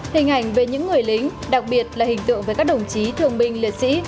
hình ảnh về những người lính đặc biệt là hình tượng về các đồng chí thương binh liệt sĩ